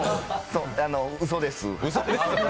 うそです。